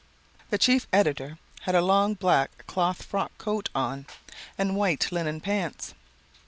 The chief editor had a long black cloth frock coat on and white linen pants.